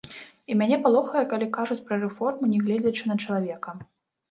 І мяне палохае, калі кажуць пра рэформы, не гледзячы на чалавека.